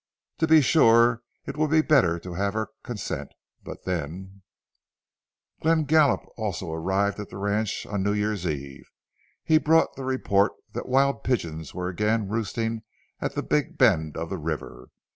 To be sure, it would be better to have her consent, but then"— Glenn Gallup also arrived at the ranch on New Year's eve. He brought the report that wild pigeons were again roosting at the big bend of the river.